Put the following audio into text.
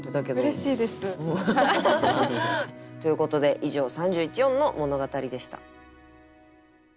うれしいです。ということで以上「三十一音の物語」でした。